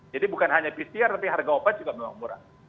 jadi bukan hanya pcr tapi harga obat juga memang murah